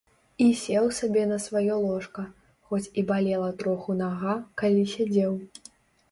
І сеў сабе на сваё ложка, хоць і балела троху нага, калі сядзеў.